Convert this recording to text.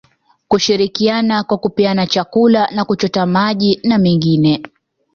Hushirikiana kwa kupeana chakula na kuchota maji na mengine